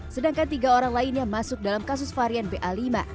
sedangkan tiga orang lainnya masuk dalam kasus varian ba lima